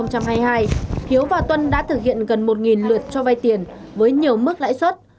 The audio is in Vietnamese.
hiếu và tuân đã thực hiện gần một lượt cho vay tiền với nhiều mức lãi suất